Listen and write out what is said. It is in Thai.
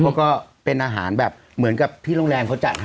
ก็เป็นอาหารแบบเหมือนกับที่โรงแรมเขาจัดให้